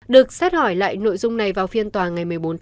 được xét hỏi lại nội dung này vào phiên bản